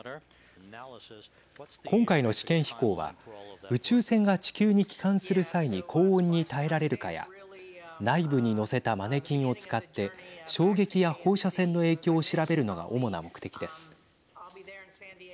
今回の試験飛行は宇宙船が地球に帰還する際に高温に耐えられるかや内部に載せたマネキンを使って衝撃や放射線の影響を調べるのが主な目的です。